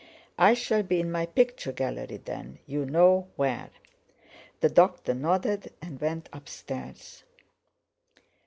"I shall be in my picture gallery, then; you know where." The doctor nodded, and went upstairs.